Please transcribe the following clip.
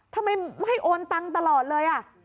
ทำไมไม่โอนเงินตลอดเลยอ่ะ